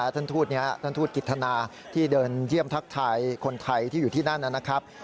ท่านทูตนี้ท่านทูตกิจธนาที่เดินเยี่ยมทักทายคนไทยที่อยู่ที่นั่นนะครับ